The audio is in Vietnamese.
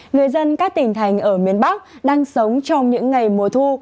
người dân các tỉnh thành ở miền bắc đang sống trong những ngày mùa thu